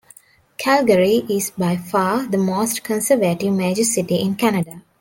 Calgary is, by far, the most conservative major city in Canada.